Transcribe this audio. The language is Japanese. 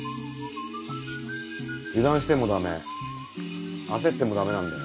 油断しても駄目焦っても駄目なんだよ。